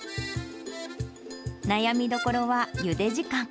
悩みどころはゆで時間。